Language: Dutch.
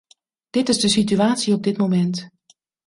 Dit is de situatie op dit moment.